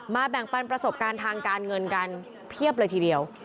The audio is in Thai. แบ่งปันประสบการณ์ทางการเงินกันเพียบเลยทีเดียว